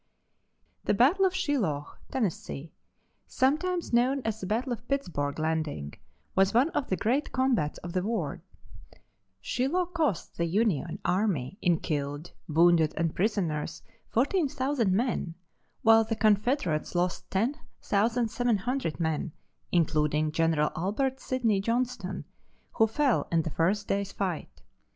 ] The battle of Shiloh, Tenn, sometimes known as the battle of Pittsburg Landing, was one of the great combats of the war. Shiloh cost the Union army in killed, wounded and prisoners 14,000 men, while the Confederates lost 10,700 men, including General Albert Sidney Johnston, who fell in the first day's fight.